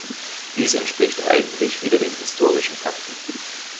Dies entspricht eigentlich wieder den historischen Fakten.